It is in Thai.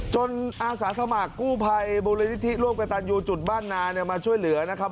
อาสาสมัครกู้ภัยมูลนิธิร่วมกับตันยูจุดบ้านนาเนี่ยมาช่วยเหลือนะครับ